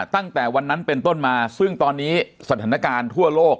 ตั้งแต่วันนั้นเป็นต้นมาซึ่งตอนนี้สถานการณ์ทั่วโลก